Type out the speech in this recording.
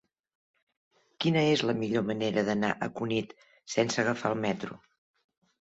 Quina és la millor manera d'anar a Cunit sense agafar el metro?